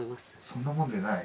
そんなもんでない？